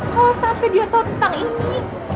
kalau sampai dia tahu tentang ini